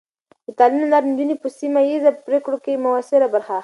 د تعلیم له لارې، نجونې په سیمه ایزې پرېکړو کې مؤثره برخه اخلي.